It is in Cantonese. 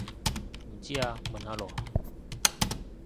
唔知啊問下囉